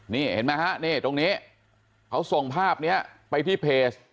นี่เห็นไหมฮะนี่ตรงนี้เขาส่งภาพนี้ไปที่เพจ